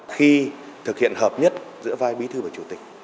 khi thực hiện hợp nhất giữa vai bí thư và chủ tịch